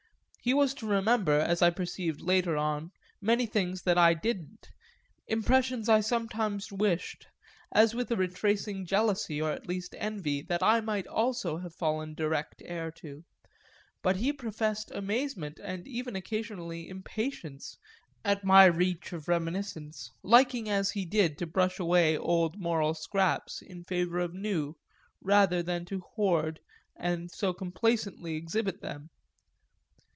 He was to remember, as I perceived later on, many things that I didn't, impressions I sometimes wished, as with a retracing jealousy, or at least envy, that I might also have fallen direct heir to; but he professed amazement, and even occasionally impatience, at my reach of reminiscence liking as he did to brush away old moral scraps in favour of new rather than to hoard and so complacently exhibit them.